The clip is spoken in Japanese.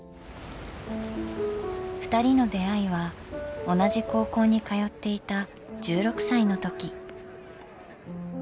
ふたりの出会いは同じ高校に通っていた１６歳の時。